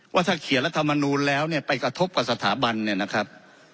ว่าถ้าเขียนรัฐมนูลแล้วเนี่ยไปกระทบกับสถาบันเนี่ยนะครับ